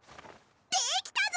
できたぞ！